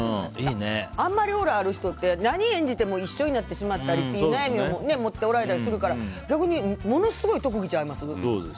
あんまりオーラある人って何を演じても一緒になってしまったりという悩みを持っておられたりするから逆にものすごい特技ちゃいます。